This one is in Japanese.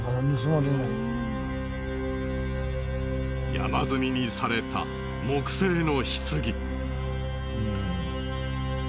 山積みにされた木製の棺。